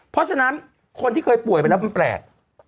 เพราะฉะนั้นคนที่เคยป่วยไปแล้วมันแปลก